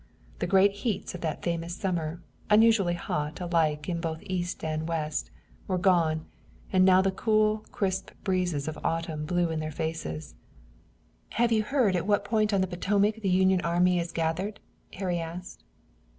The great heats of that famous summer, unusually hot alike in both east and west, were gone, and now the cool, crisp breezes of autumn blew in their faces. "Have you heard at what point on the Potomac the Union army is gathered?" Harry asked.